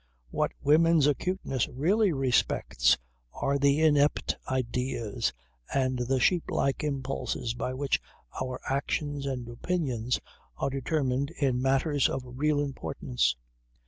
What women's acuteness really respects are the inept "ideas" and the sheeplike impulses by which our actions and opinions are determined in matters of real importance.